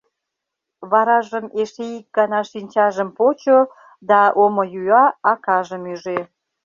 Варажым эше ик гана шинчажым почо да омыюа акажым ӱжӧ: